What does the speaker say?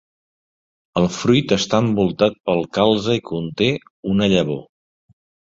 El fruit està envoltat pel calze i conté una llavor.